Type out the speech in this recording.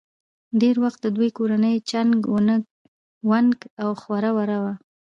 ډېر وخت د دوي کورنۍ چنګ ونګ او خوره وره وه